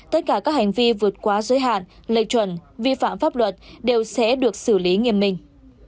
tất cả các hành vi vượt quá giới hạn lệ chuẩn vi phạm pháp luật đều sẽ được xử lý nghiêm minh